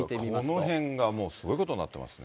このへんがすごいことになってますね。